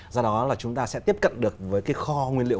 do đó là chúng ta sẽ tiếp cận được với cái kho nguyên liệu